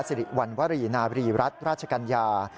สิริวัณวรีนาบรีรัฐราชกัญญา